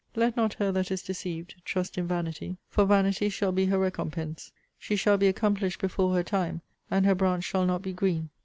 'Let not her that is deceived trust in vanity; for vanity shall be her recompense. She shall be accomplished before her time; and her branch shall not be green.